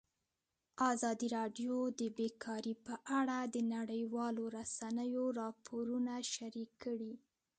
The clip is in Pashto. ازادي راډیو د بیکاري په اړه د نړیوالو رسنیو راپورونه شریک کړي.